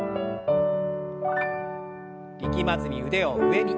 力まずに腕を上に。